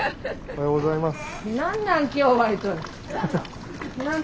おはようございます。